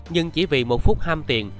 nhưng chỉ vì một phút ham tiền